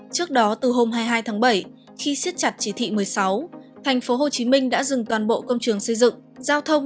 trước đó từ hôm hai mươi hai tháng bảy khi siết chặt chỉ thị một mươi sáu tp hcm đã dừng toàn bộ công trường xây dựng giao thông